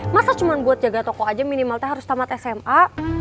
masa cuma buat jaga toko aja minimalnya harus tamat sma